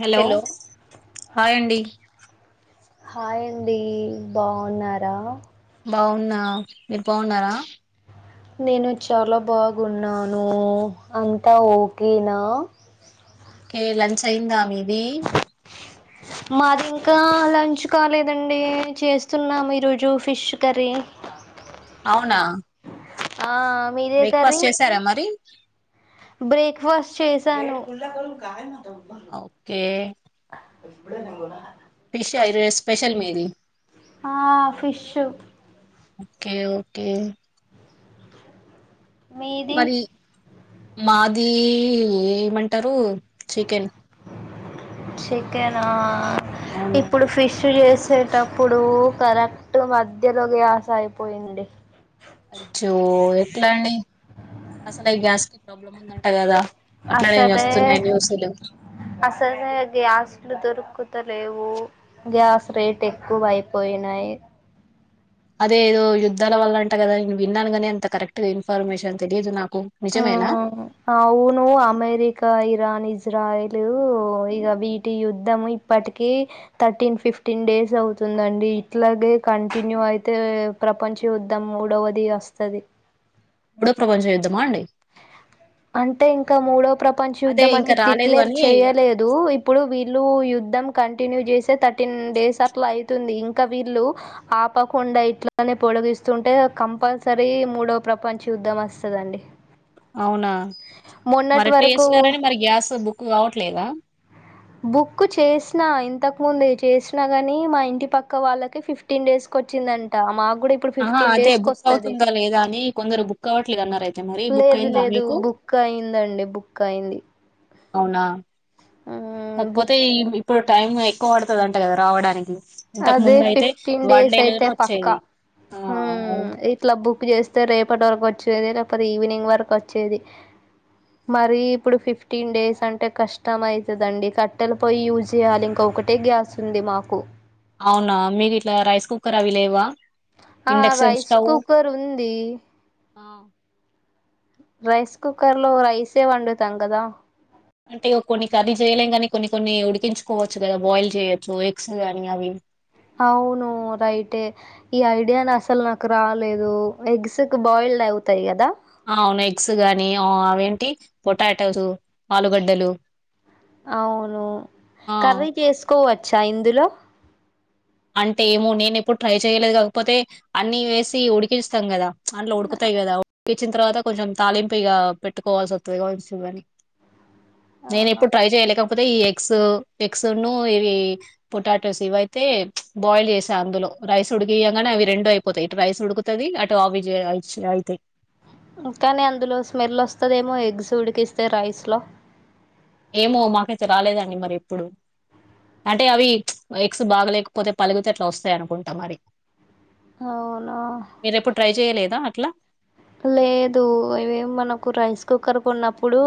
Hello hello hi అండి hi అండి బాగున్నారా బాగున్నా మీరు బాగున్నారా నేను చాలా బాగున్నాను అంతా ఓకేనా ఓకే లంచ్ అయ్యిందా మీది మాది ఇంకా లంచ్ కాలేదండి చేస్తున్నాము ఈరోజు ఫిష్ కర్రీ అవునా ఆ మీదే కర్రీ బ్రేక్ఫాస్ట్ చేసారా మరి బ్రేక్ఫాస్ట్ చేసాను అ ఓకే ఫిష్ ఆ ఈరోజు స్పెషల్ మీది ఆ ఫిష్షు ఓకే ఓకే మీది మరి మాది ఏమంటరు చికెన్ చికెనా అవును ఇప్పుడు ఫిష్ చేసేటప్పుడు కరెక్ట్ మధ్యలో గ్యాస్ అయిపోయింది అయిజో ఎట్లా అండి అసలు గ్యాస్ కి ప్రాబ్లం ఉందంట కదా అట్లనే అసలే వస్తున్నాయి న్యూస్లు అసలే గ్యాస్లు దొరుకు తలేవు గ్యాస్ రేట్ ఎక్కువ అయిపోయినాయి అదే ఏదో యుద్ధాల వల్ల అంటే కదా నేను విన్నాను గాని అంత కరెక్ట్ ఇన్ఫర్మేషన్ తెలీదు నాకు ఆ నిజమేనా అవును అమెరికా ఇరాన్ ఇజ్ జ్రాయిలు ఇక వీటి యుద్ధం ఇప్పటికి థర్టీన్ ఫిఫ్టీన్ డేస్ అవుతు తుందండి ఇట్లాగే కంటిన్యూ అయితే ప్రపంచ యుద్ధం మూడవది వస్తది మూడో ప్రపంచ యుద్ధమా అండి అంటే ఇంకా మూడో ప్రపంచ అదే యుద్ధం అని ఇంకా రాలేదు డిక్లేర్ అని చేయలేదు ఇప్పుడు వీళ్ళు యుద్ధం కంటిన్యూ చేసే థర్టీన్ డేస్ అట్లా అయితుంది ఇంకా వీళ్ళు ఆపకుండా ఇట్లానే పో పొడగిస్తుంటే కంపల్సరీ మూడో ప్రపంచ యుద్ధం వస్తదండి అవునా మరి మొన్నటి ఎట్లా వరకు చేస్తునారని మరి గ్యాస్ బుక్ కావట్లేదా బుక్కు చేసిన ఇంతకు ముందు చేసిన గాని మా ఇంటి పక్క వాళ్ళకి ఫిఫ్టీన్ డేస్ కొచ్చిందంట మా ఆహ అదే బుక్కవుతుందో లేదా అని కొందరు బుక్ అవ్వట్లేదు అన్నారు అయితే మరి లేదు బుక్కయింద లేదు మీకు బుక్ అయిందండి బుక్ అయింది అవునా ఉమ్, కాకపోతే బుక్ ఇప్పుడు టైం ఎక్కువ పడతదంట కదా రావడానికి ఇంతకు అదే ముందు అయితే ఫిఫ్టీన్ వన్ డేస్ డే అయితే లోనే పక్కా వచ్చేది ఆ అవును ఉమ్మ్ ఇట్ల బుక్ చేస్తే రేపటి వరకు వచ్చేది లేకపోతే ఈవినింగ్ వరకు వచ్చేది మరి ఇప్పుడు ఫిఫ్టీన్ డేస్ అంటే కష్టమయితదండి కట్టెలు పొయ్యి యూజ్ చేయాలి ఇంకో ఒకటే గ్యాసు ఉంది మాకు అవునా మీది ఇట్లా రైస్ కుక్కర్ అవి లేవ ఆ రైస్ కుక్కర్ ఉంది ఆ రైస్ కుక్కర్ లో రైసే వండుతాం కదా అంటే కొన్ని కర్రీ చేయలేం కాని కొన్ని కొన్ని ఉడికించుకోవచ్చు కదా బాయిల్ చేయచ్చు ఎగ్స్ గానీ అవి అవును రైటే ఈ ఐడియా అసలు నాకు రాలేదు ఎగ్స్ కు బాయి [unintelligible] అవుతాయి కదా అవును ఎగ్స్ గానీ అవేంటి పొటాటోస్ ఆలుగడ్డలు అవును ఆ కర్రీ చేసుకోవచ్చా ఇందులో అంటే ఏమో నేను ఎప్పుడు ట్రై చేయలేదు కాకపోతే అన్ని వేసి ఉడికిస్తాం కదా అంట్లో ఉడుకుతాయి కదా ఉడికిచ్చిన తర్వాత కొంచెం తాలింపు ఇ పెట్టుకోవాల్సి వస్తుంది కావచ్చు అని నేను ఆహా ఎప్పుడు ట్రై చేయలే కాకపోతే ఈ ఎగ్స్ ఎగ్స్ను ఇవి పొటాటోస్ ఇవి అయితే బాయిల్ చేసా అందులో రైస్ ఉడికియగానే అవి రెండు అయిపోతాయి ఇటు రైస్ ఉడుకుతుంది అటు ఆవి అయితాయి కానీ అందులో స్మెల్ వస్తుందేమో ఎగ్స్ ఉడికిస్తే రైస్లో ఏమో మాకైతే రాలేదండి మరి ఎప్పుడు అంటే అవి ఎక్స్ బాగలేకపోతే పలుగితే అట్లా వస్తాయి అనుకుంటా మరి అవునా మీరెప్పుడు ట్రై చెయలేద అట్లా లేదు ఇవే మనకు రైస్ కుక్కర్ కు ఉన్నప్పుడు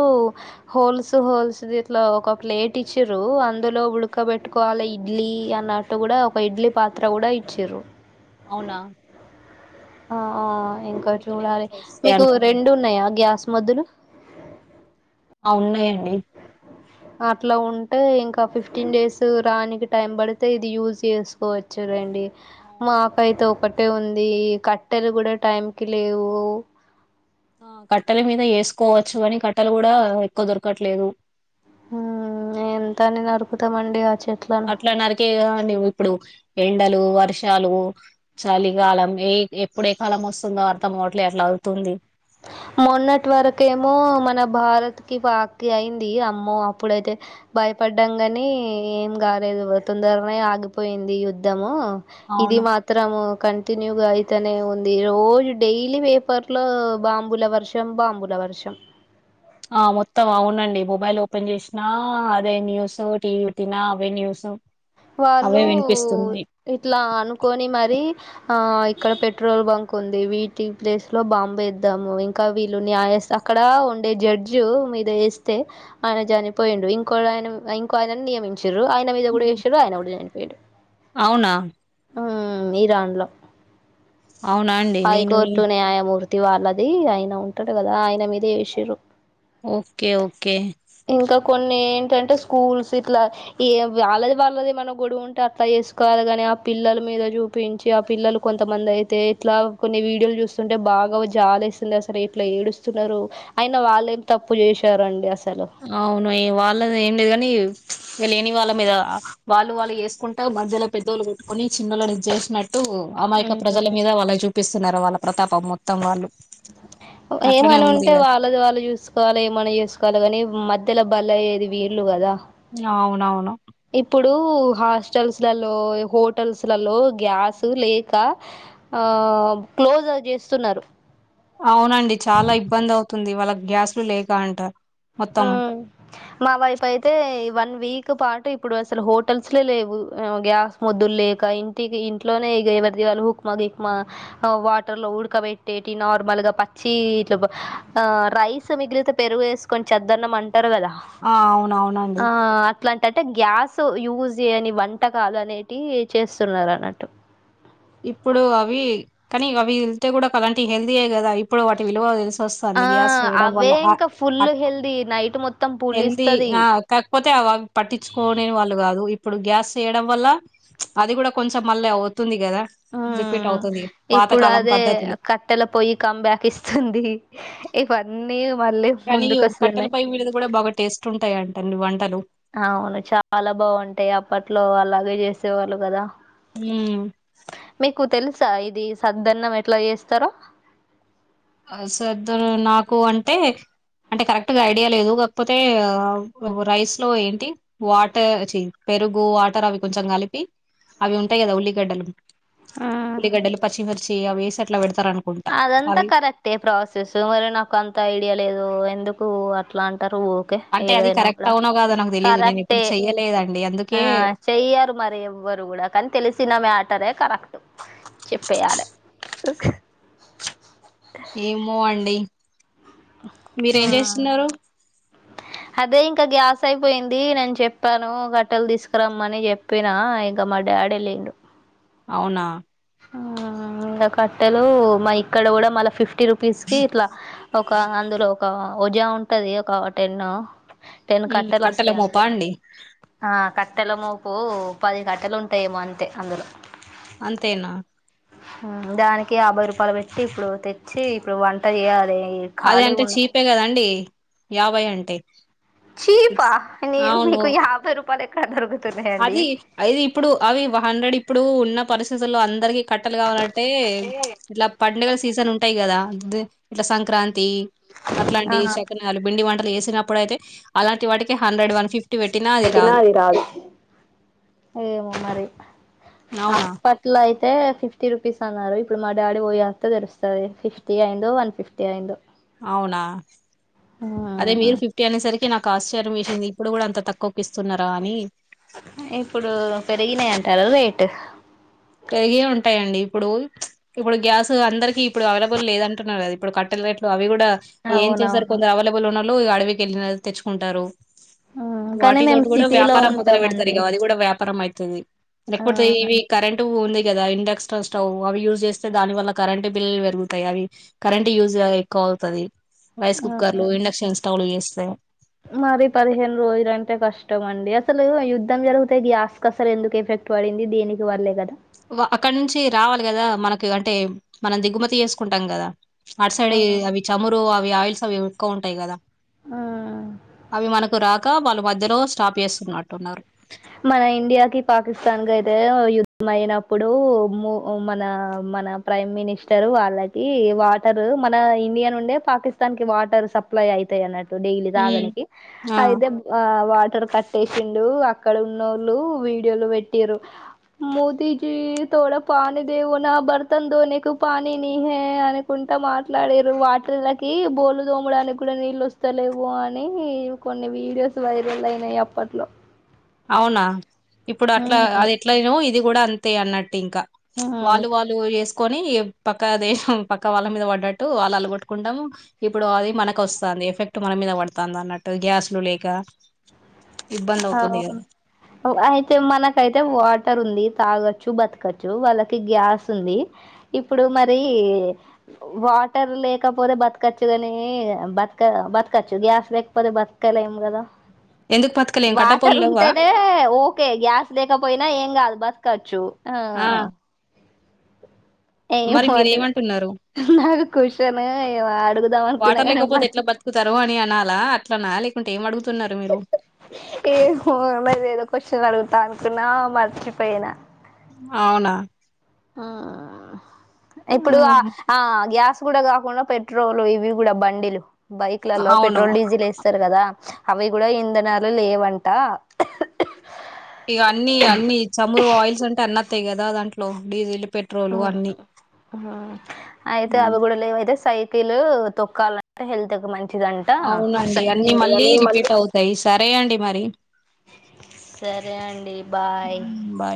హోల్స్ హోల్స్ ఇట్లా ఒక ప్లేట్ ఇచ్చారు అందులో ఉడక పెట్టుకోవాలి ఇడ్లీ అన్నట్టు కూడా ఒక ఇడ్లీ పాత్ర కూడ ఇచ్చరు అవునా ఆ ఆ! ఇంకా కొన్ని కొన్ని చూడాలి దాంట్లో వస్తాయి మీకు అనుకుంట రెండు ఉన్నాయా గ్యాస్ [unintelligible] ఆ ఉన్నాయండి అట్లా ఉంటే ఇంకా ఫిఫ్టీన్ డేస్ రానికి టైం పడితే ఇది యూజ్ చేసుకో చూడండి అవును మాకైతే ఒక ఒకట్టే ఉంది కట్టెలు కూడ టైం కి లేవు ఆ కట్టెల మీద వేసుకోవచ్చు కానీ కట్టలు కూడ ఎక్కువ దొరకట్లేదు హు ఎంత అని నరుకుతమండి అట్ల [unintelligible] ఇప్పుడు ఎండలు వర్షాలు చలికాలం ఏ ఎప్పుడ ఏ కాలం వస్తుందో అర్ధం కావట్ల ఎట్ల అవుతుంది అ మొన్నటి వరకేమో మన భారత్ కి [unintelligible] అయింది అమ్మో అప్పుడైతే బ బయ్యపడ్డం గాని ఏం కాలేదు తొందరనే ఆగిపోయింది యుద్ధము ఇది అవును మాత్రం కంటిన్యూగా అయితేనే ఉంది రోజు డైలీ పేపర్ లో బాంబుల వర్షం బాంబుల వర్షం ఆ మొత్తం అవునండి మొబైల్ ఓపెన్ చేసినా అదే న్యూస్ టీవీ [unintelligible] అవే న్యూస్ వాళ్ళు అవే వినిపిస్తున్నాయి ఇట్లా అనుకొని మరి ఆ ఇక్కడ పెట్రోల్ బంక్ ఉంది వీటి ప్లేస్ లో బాంబు వద్దాము ఇంకా వీళ్ళు న్యాయస్ అక్కడ జడ్జు మీద వేస్తే ఆయన చనిపోయిండు ఇంకో ఆయన ఇంకో ఆయన నియమిం [unintelligible] ఆయన మీద కూడా వేసిరు ఆయన కూడా చనిపోయడు అవునా మీ దాన్లో అవునా అండి నేను హైకోర్టు న్యాయమూర్తి వాళ్ళది ఆయన ఉంటాడు కదా ఆయన మీద వేసిరు ఒకే ఒకే కొన్ని ఏంటంటే స్కూల్స్ ఇట్లా వాళ్ళది వాళ్ళది మన గొడవు ఉంటే అట్లా చేసుకోవాలి గాని ఆ పిల్లల మీద చూపించి ఆ పిల్లలు కొంతమంది అయితే ఇట్లా కొన్ని వీడియోలు చూస్తుంటే బాగా జాలి వేసింది అసలు ఇట్ల ఏడుస్తున్నారు అయిన వాళ్ళ ఎం తప్ ప్పు చేశారండి అ అవును ఏ వాళ్ళది ఏం లేదు గాని. ఇగ లేని వాళ్ళ మీదా. వాళ్ళు వాళ్ళు చేసుకుంటా మధ్యలో పెద్దోళ్ళు కొట్టుకొని చిన్నళ్ళని ఇద్జేసినట్ట్ ట్టూ. అమాయక ప్రజల మీద వాళ్ళ చూపిస్తున్నారు వాళ్ళ ప్రతాపం మొత్తం వాళ్ళు. అట్లనే ఏమని ఉంది ఉంటే ఇగ వాళ్ళది వాళ్ళు చూసుకోవాలే ఏమన్న చేసుకోవాలే గాని మధ్ ధ్యల బలైయ్యేది వీళ్ళు గదా. అవునవును ఇప్పుడూ హాస్టల్స్ల్లో, హోటల్స్లలో గ్యాస లేకా ఆ క్లోజ్ చేస్తున్నరు. అవునండి చాలా ఇబ్బంది అవుతుంది వాళ్ళక్ గ్యాస్లు లేక అంటా. ఆ మా వైపైయితే ఈ వన్ వీక్ పాటు ఇప్ ఇప్పుడు అసలు హోటల్స్ లే లేవు, ఆ గ్యాస్ మొద్దుల్ లేక ఇంటికి ఇంట్లోనే ఇగ ఎవర్ది వాళ్ళు ఉప్మా, గి ఇప్మా ఆ వాటర్ లో ఉడకబట్టేటి నార్మల్ గా పచ్చీ ఇట్ల ఆ రైస్ స్ మిగిలితే పెరుగు ఏసుకొన్ చెద్దన్నం అంటరు గదా. ఆ అవునవునండి ఆ అట్లాంట్ టంటే గ్యాసు యూజ్ జేయని వంటకాలు అనేటీ చేస్తున్నరు అన్నట్టు. ఇప్పుడూ అవీ కానీ అవి తింటే గూడా అలాంటియి హెల్దీయే గదా ఇప్పుడు వాటి విలువ తెల్సు ఆ తొస్తాంది గ్యాస్ లెయడం అవే వల్లా అ ఇంకా ఫుల్ అట్ హెల్దీ నైట్ మొత్తం హెల్దీ పులిస్తది ఆ కాకపోతే అ పట్టించుకోనే వాళ్ళు గాదు ఇప్ ఇప్పుడు గ్యాస్ చేయడం వల్లా ప్చ్ అది గూడా కొంచెం మళ్ళ అవుతుంది గదా ఆ రిపీ ఇప్పుడు అదే కట్టెల పొయ్యి కంబ్యాక్ ఇస్తుందీ ఇవన్న్ కానీయు కట్టెలపొయ్యి మీదిది గూడా బాగా టేస్ట్ ఉంటాయంటండి వంటలు. అవును చాలా బాగుంటాయి అప్పట్లో అలాగే చేసేవాళ్ళు గదా. ఊ తెల్సా ఇదీ సద్ద్దన్నం ఎట్ల చేస్తరో. ఆ సద్దన్నం నాకు అంటే. అంటే కరెక్ట్ గా ఐడియా లేదు కాకపోతే రైస్ లో ఏంటి వాటర్ చీ పెరుగూ వాటర్ అవి కొంచెం కలిపి, అవి ఉంటాయి గదా ఉల్లిగడ్డలు. ఉమ్ ఉల్లిగడ్డలు, పచ్చిమిర్చీ అవి ఏసి అట్లా పెడతారు అనుకుంటా. అవి టే ప్రాసెసూ మరి నాకు అంత ఐడియా లేదూ ఎందుకూ అట్లాం. టరూ ఊకే అంటే అది ఏదైనా కూడ. కరెక్ట్ అవునో కాదో నాకు తెలీదు నేను ఎప్పుడు కరెక్టే చెయ్యలేదండి ఆ అందుకే చెయ్యరు మరి ఎవ్వరు గూడా కానీ తెలిసిన మేటరే కరెక్టు. చెప్పెయ్యాలే. ఏమో అండి. మీరేం ఉమ్ చేస్తున్నరు. అదే ఇంకా గ్యాస్ అయిపోయిందీ. నేను చెప్పానూ కట్టెలు తీసుకురమ్మని చెప్పినా ఇంక మడ్ డాడి లేడు. అవునా ఆ ఇగ కట్టెలూ మా ఇక్కడ గూడా మళ్ళ ఫిఫ్టీ రూ పీస్కీ ఇట్లా ఒకా అందులో ఒకా వజా ఉంటది ఒకా టెన్ను. టెన్ ఉమ్, కట్టెలు కట్టెల వస్తయి మోపా అందులో. అండి ఆ కట్టెల మోపూ పది కట్టెలు ఉంటాయేమో అంతే అందులో. అంతేన హా దానికి యాభై రూపాయలు పెట్టి ఇప్పుడు తెచ్చీ ఇప్పుడూ వంట జేయాలే. అది అంటే చీపే కదండీ. యాభై అంటే చీపా ఇట్స్- నీ నీకు యాభై రూపాయలు ఎక్కడా దొరుగుతు అదీ. అయిది ఇప్పుడు అవి హండ్రెడ్ ఇప్పుడూ ఉన్న పరిస్థితుల్లో అందరికి కట్టెలు కావాలంటే ప్చ్ ఇట్లా పండుగల సీజన్ ఉంటాయి గదా ఇట్లా సంక్రాంతి. అట్లాంటియి ఆ సకినాలు బిండి వంటలు చేస్త్ తినప్పుడయితే అలాంటి వాటికి హండ్రెడ్ వన్ ఫిఫ్టీ పెట్టినా అది రాదు. ఏమో మరి అవునా అప్పట్లో అయిత్ అయితే ఫిఫ్టీ రూపీస్ అన్నారు ఇప్పుడు మా డాడీ పోయేస్త తెరుస్తుంది ఫిఫ్టీ అయిందో వన్ ఫిఫ్టీ అయిందో అవునా అదే మీరు ఫిఫ్టీ అనేసరికి నాకు ఆశ్చర్యం వేసింది ఇప్పుడు కూడా అంత తక్కువకి ఇస్తున్నారా అని ఇప్పుడు పెరిగినయి అంటారు రేటు పెరిగే ఉంటాయండి ఇప్పుడు ఇప్పుడు గ్యాస్ అందరికిీ ఇప్పుడు అవైలబుల్ లేద అంటున్నారు కద ఇప్పు కట్టె రైట్లు అవి కూడా కూడా ఏం చేశారు అవునవును కొందరు అవైలబుల్ ఉన్నలో అడవికి వెళ్ళన తెచ్చుకుంటారు ఉ వాటి తోటి కూడా వ్యాపారం మొదలు పెడతారు క అది కూడా వ్యాపారం ఐతుది లేకపోతే అవును ఇవి కరెంట్ ఉంది కదా ఇండక్షన్ స్టవ్ అవి యూస్ చేస్తే దాని వల్ల కరెంట్ బిల్లు పెరుగుతాయి అవి కరెంట్ యూస్ గా ఎక్కువ అవుతది రైస్ కుక్కర్లు ఇండక్షన్ స్టవ్లు చేస్తే మరి పదిహేను రోజులంటే కష్టం అండి అసలు యుద్ధం జరిగితే ఈ ఆస్ కసలు ఎందుకు ఎఫ ట్టు వడింది దేనికి వర్లే కదా వ అక్కడ నుంచి రావాలి కదా మనకు అంటే మనం దిగుమతి చేసుకుంటాం కదా ఆటు సైడ్ ఆ అవి చమురు అవి ఆయిల్స్ అవి ఎక్కువ ఉంటాయి కదా ఆ అవి మనకు రాక వాళ్లు మధ్యలో స్టాప్ చేస్తున్నట్టున్నారు మన ఇండియాకిి పాకిస్తాన్ కయితే యుద్ధం అయినప్పుడు ము మన మన ప్రైమ్ మినిస్టర్ వాళ్ళకి వాటర్ మన ఇండియా నుండే పాకిస్తాన్ కి వాటర్ సప్లై అయ ఐతయ్ అన్నట్టు డైలీ హ్మ్. తాగనికి ఆ అయితే వ వాటర్ కట్టేసిండు అ అక్కడ ఉన్నోళ్ళు వీడియోలు పెట్టిరు మోదీ జీ తోడ పాని దేవునా బర్తన్ ధోనే కు పానీ నీహె అనుకుంటా ఇంత మాట్లాడరు వాటర్లకి బోలు దోమడానికి కూడా నీళ్ళు వస్తలేవు అని కొన్ని వీడియోస్ వైరల్ అయినయి అప్పట్లో అవునా ఇప్పుడు అట్లా ఉమ్ అది ఎట్లా నో ఇది కూడా అంతే అన్నట్టు ఇంకా హ్మ్ వాళ్ళు వాళ్ళు చెస్ కొని పక్క దేశం పక్క వాళ్ళ మీద పడ్డట్టు వాళ్ళు అలగొట్టుకుంటాం ఇప్పుడు అది మనకు వస్తంది ఎఫెక్ట్ మన మీద పడుతంది అన్నట్టు గ్యాస్ లేక ఇబ్బంది అవు అవును అయితే మనకైతే వాటర్ ఉంది తాగొచ్చు బతకచ్చు వాళ్ళకి గ్యాస్ ఉంది ఇప్పుడు మరి వాటర్ లేకపోతే బతకచ్చు కాని బతక బతకచ్చు గ్యాస్ లేకపోతే బతకలే ఏం కదా ఎందుకు పతు వాటర్ ఉంటేనే ఓకే గ్యాస్ లేకపోయినా ఏం కాదు బతకచ్చు ఆ ఏం మరి వండిన మీరేమంటున్నారు క్వశ్చన్ ఏమో అడుగుదాం అనుకున్నా వాటర్ కానీ లేకపోతే మర్చి ఎట్లా బతుకుతారు అని అనాలా అట్లనా లేకుంటే ఏం అడుగుతు ఏమో మరి ఏదో క్వశ్చన్ అడుగుతా అనుకున్నా మర్చిపోయినా అవునా ఆ ఇప్పుడు ఆ ఆహా. ఆ గ్యాస్ కూడా కాకుండా పెట్రోల్ ఇవి కూడా బండిలు బైక్లలో అవును పెట్రోల్ డీజిల్ వేస్ సరు కదా అవి కూడా ఇంధనాలు లేవంట ఇక అన్ని అన్ని చమురు ఆయిల్స్ అంటే అన్నత్తాయి కదా దాంట్లో డీజిల్ పెట్రోల్ అన్ని అయితే ఉమ్, అవి కూడా అయితే సైత్ కిలు తొక్కాలంటే హెల్త్ కు మంచి అవునండి అన్నీ మళ్ళీ రిపీట్ అవుతయి సరే అండి మరి సరే అండి బాయ్ ఉమ్, బాయ్